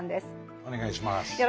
お願いします。